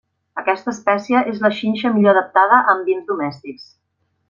Aquesta espècie és la xinxa millor adaptada a ambients domèstics.